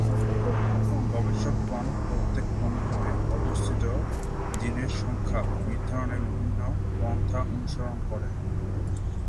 গবেষকগণ প্রত্যেক ক্রোমোজোমে অবস্থিত জীনের সংখ্যা নির্ধারণে বিভিন্ন পন্থা অনুসরণ করে।